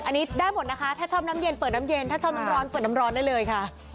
อันนี้ได้หมดนะคะถ้าชอบน้ำเย็นเปิดน้ำเย็นถ้าชอบน้ำร้อนเปิดน้ำร้อนได้เลยค่ะ